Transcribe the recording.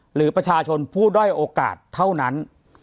หรือประชาชนผู้ด้อยโอกาสเท่านั้น